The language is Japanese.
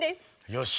よし！